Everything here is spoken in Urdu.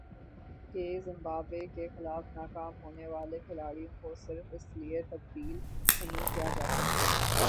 کہ زمبابوے کے خلاف ناکام ہونے والے کھلاڑیوں کو صرف اس لیے تبدیل نہیں کیا جا سکتا